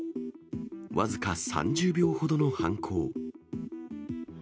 僅か３０秒ほどの犯行。